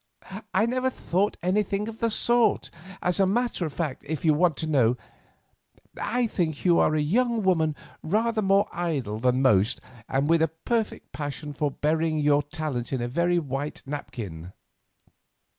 "I never thought anything of the sort. As a matter of fact, if you want to know, I think you a young woman rather more idle than most, and with a perfect passion for burying your talent in very white napkins."